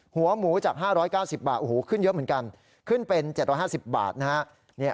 หัวหมูจาก๕๙๐บาทโอ้โหขึ้นเยอะเหมือนกันขึ้นเป็น๗๕๐บาทนะฮะ